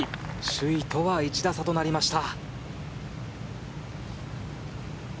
首位とは１打差となりました。